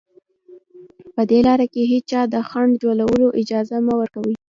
په دې لاره کې هېچا ته د خنډ جوړولو اجازه مه ورکوئ